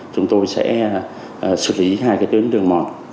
chúng tôi sẽ xử lý hai tuyến đường mòn